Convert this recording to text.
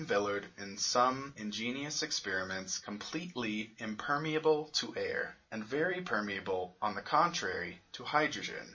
Villard in some ingenious experiments, completely impermeable to air, and very permeable, on the contrary, to hydrogen.